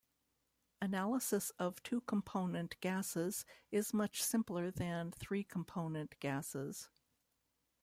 Analysis of two-component gases is much simpler than three component gases.